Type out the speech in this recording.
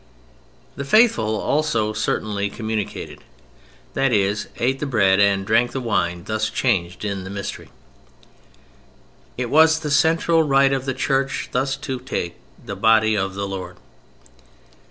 The faithful also certainly communicated, that is, eat the Bread and drank the Wine thus changed in the Mystery. It was the central rite of the Church thus to take the Body of the Lord.